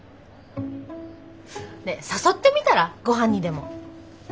ねえ誘ってみたらごはんにでも。